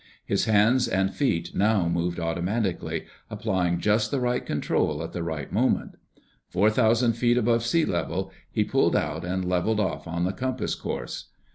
His hands and feet now moved automatically, applying just the right control at the right moment. Four thousand feet above sea level he pulled out and leveled off on the compass course.